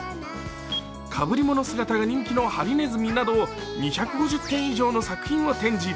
かぶりもの姿が人気のハリネズミなど２５０点以上の作品を展示。